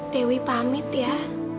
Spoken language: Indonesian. dewi pamit ya